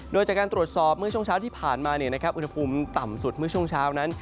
โดยจากการตรวจสอบเมื่อช่วงเช้าที่ผ่านมาอุณหภูมิต่ำสุดเมื่อช่วงเช้านั้น